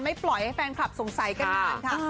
ปล่อยให้แฟนคลับสงสัยกันนานค่ะ